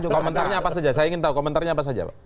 komentarnya apa saja saya ingin tahu komentarnya apa saja pak